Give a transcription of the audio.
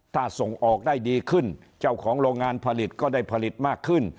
ถ้าส่งออกได้ดีขึ้นเจ้าของโรงงานผลิตก็ได้ผลิตมากขึ้น